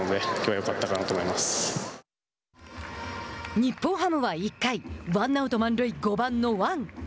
日本ハムは１回ワンアウト、満塁、５番の王。